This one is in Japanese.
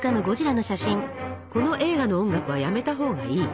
この映画の音楽はやめたほうがいい。